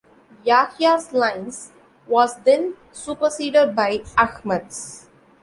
Yahya's line was then superseded by Ahmad's.